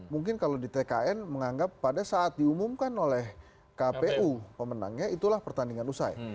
mungkin kalau di tkn menganggap pada saat diumumkan oleh kpu pemenangnya itulah pertandingan usai